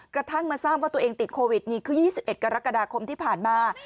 กระทั่งมาทราบว่าตัวเองติดโควิดนี่คือ๒๑กรกฎาคมที่ผ่านมา